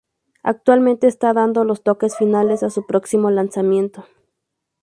Actualmente está dando los toques finales a su próximo lanzamiento.